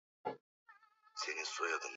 Wakoloni walikuja na kuenda